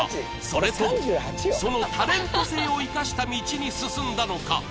それともそのタレント性を生かした道に進んだのか